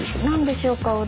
何でしょうか。